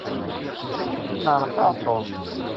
Inneṛfaɛ Tom.